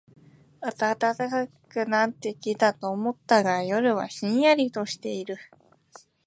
暖かくなってきたと思ったが、夜はひんやりとしている